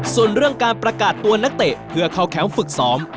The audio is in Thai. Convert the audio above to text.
ส่วนเรื่องการประกาศตัวนักเตะเพื่อเข้าแคมป์ฝึกซ้อม